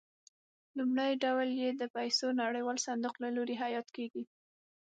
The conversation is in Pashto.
لومړی ډول یې د پیسو نړیوال صندوق له لوري حیات کېږي.